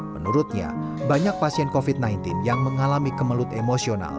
menurutnya banyak pasien covid sembilan belas yang mengalami kemelut emosional